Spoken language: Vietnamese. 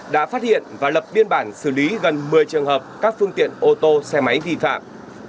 đã phát hiện và lập biên bản xử lý gần một mươi trường hợp các phương tiện ô tô xe máy vi phạm